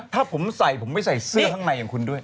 ถ้าผมใส่ผมไม่ใส่เสื้อข้างในอย่างคุณด้วย